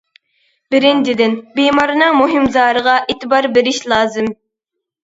بىرىنچىدىن، بىمارنىڭ مۇھىم زارىغا ئېتىبار بېرىش لازىم.